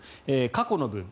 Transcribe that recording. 過去の分